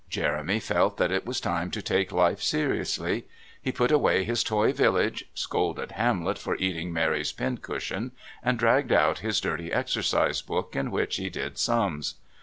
Jeremy felt that it was time to take life seriously. He put away his toy village, scolded Hamlet for eating Mary's pincushion, and dragged out his dirty exercise book in which he did sums.